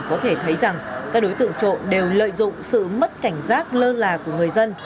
có thể thấy rằng các đối tượng trộm đều lợi dụng sự mất cảnh giác lơ là của người dân